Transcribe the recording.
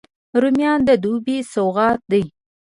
رومیان د دوبي سوغات دي